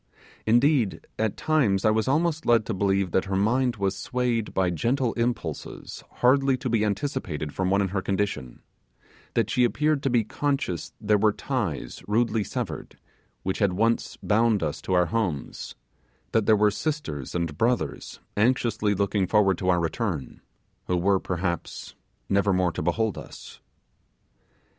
Indeed, at times I was almost led to believe that her mind was swayed by gentle impulses hardly to be anticipated from one in her condition; that she appeared to be conscious there were ties rudely severed, which had once bound us to our homes; that there were sisters and brothers anxiously looking forward to our return, who were, perhaps, never more to behold us.